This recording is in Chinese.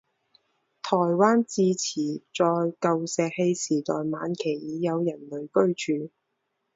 台湾至迟在旧石器时代晚期已有人类居住。